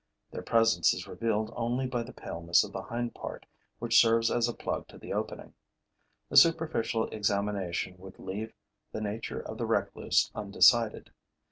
Their presence is revealed only by the paleness of the hind part which serves as a plug to the opening. A superficial examination would leave the nature of the recluse undecided.